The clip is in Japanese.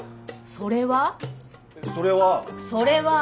それは？